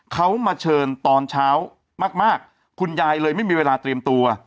เขามาเชิญตอนเช้ามากคุณยายเลยไม่มีเวลาเตรียมตัว